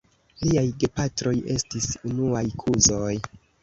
Liaj gepatroj estis unuaj kuzoj.